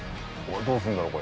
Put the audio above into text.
どうするんだろう？